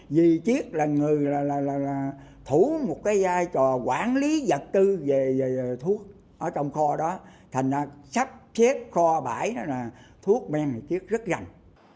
vì triết là người là thủ một cái giai trò quản lý vật tư về thuốc ở trong kho đó thành ra sắp chết kho bãi đó là thuốc men triết rất rành